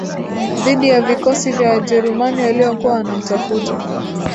Dhidi ya vikosi vya Wajerumani waliokuwa wanamtafuta